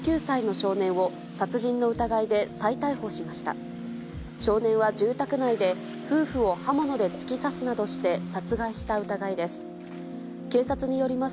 少年は住宅内で夫婦を刃物で突き刺すなどして殺害した疑いです。